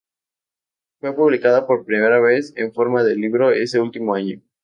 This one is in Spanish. Fue publicada por primera vez en forma de libro ese último año.